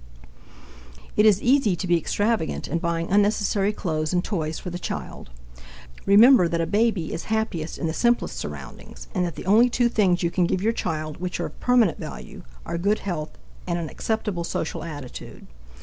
It is easy to be extravagant in buying unnecessary clothes and toys for the child. Remember that a baby is happiest in the simplest surroundings and that the only two things you can give your child which are of permanent value are good health and an acceptable social attitude.